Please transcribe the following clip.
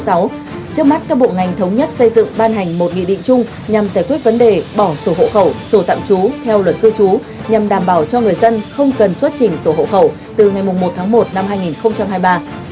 trước mắt các bộ ngành thống nhất xây dựng ban hành một nghị định chung nhằm giải quyết vấn đề bỏ sổ hộ khẩu sổ tạm trú theo luật cư trú nhằm đảm bảo cho người dân không cần xuất trình sổ hộ khẩu từ ngày một tháng một năm hai nghìn hai mươi ba